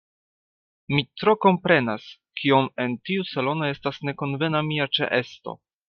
Mi tro komprenas, kiom en tiu salono estas nekonvena mia ĉeesto.